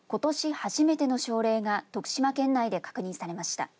初めての症例が徳島県内で確認されました。